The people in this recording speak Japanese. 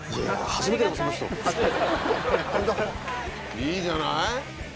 いいじゃない。